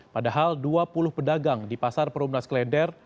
padahal dua puluh pedagang di pasar perumnas klender